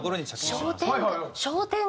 商店街！